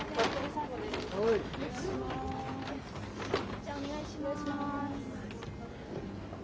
じゃあお願いします。